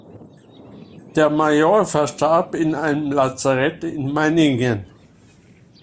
Der Major verstarb in einem Lazarett in Meiningen.